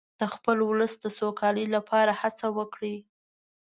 د خپل ولس د سوکالۍ لپاره هڅه وکړئ.